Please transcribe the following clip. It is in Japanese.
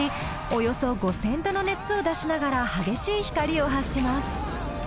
およそ５０００℃の熱を出しながら激しい光を発します。